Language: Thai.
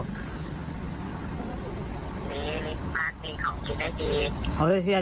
มีบ้านมีของกินได้ดี